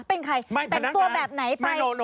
เป็นใครแต่งตัวแบบไหนไป